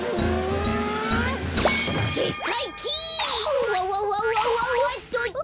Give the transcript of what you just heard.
うわわわわおっとっと！